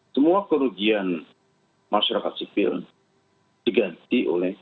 semua kerugian masyarakat sipil diganti oleh